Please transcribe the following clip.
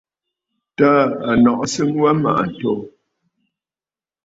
Taà à nɔʼɔ sɨŋ wa mmàʼà ǹto.